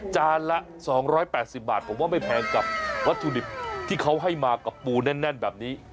จานละ๒๘๐บาทผมว่าไม่แพงกับวัตถุดิบที่เขาให้มากับปูแน่นแบบนี้